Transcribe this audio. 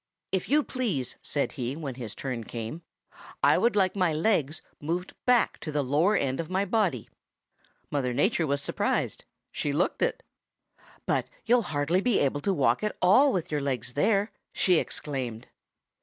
'If you please,' said he when his turn came, 'I would like my legs moved back to the lower end of my body.' "Mother Nature was surprised. She looked it. 'But you'll hardly be able to walk at all with your legs there!' she exclaimed.